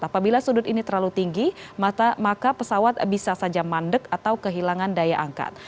apabila sudut ini terlalu tinggi maka pesawat bisa saja mandek atau kehilangan daya angkat